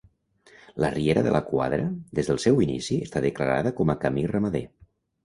La Riera de la Quadra, des del seu inici, està declarada com a camí ramader.